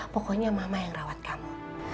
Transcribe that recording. pokoknya mama yang rawat kamu